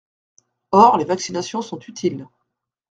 Or les vaccinations sont utiles.